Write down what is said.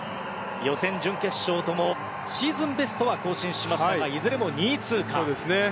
予選、準決勝ともシーズンベストは更新しましたがいずれも２位通過。